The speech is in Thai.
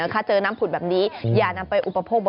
ก็ไปเดี๋ยวหวาก